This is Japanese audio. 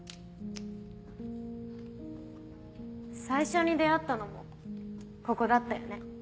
最初に出会ったのもここだったよね。